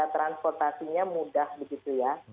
transportasinya mudah begitu ya